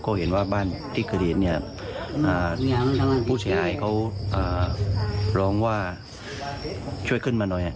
ก็เห็นว่าบ้านที่คือเห็นผู้ชายเขาร้องว่าช่วยขึ้นมาหน่อย